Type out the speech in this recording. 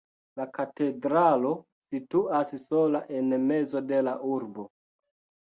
La katedralo situas sola en mezo de la urbo.